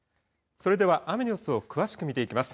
それでは雨の様子を詳しく見ていきます。